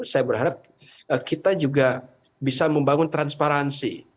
saya berharap kita juga bisa membangun transparansi